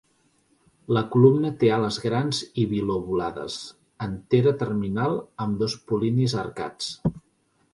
La columna té ales grans i bilobulades, antera terminal amb dos pol·linis arcats.